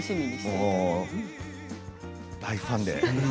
もう大ファンで。